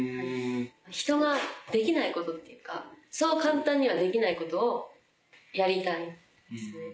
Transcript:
ひとができないことっていうかそう簡単にはできないことをやりたいですね。